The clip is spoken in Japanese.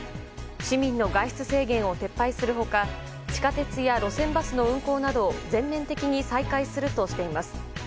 市民の外出制限を撤廃する他地下鉄や路線バスの運行などを全面的に再開するとしています。